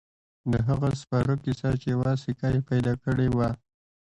د هغه سپاره کیسه چې یوه سکه يې پیدا کړې وه.